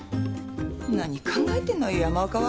何考えてんのよ山岡は！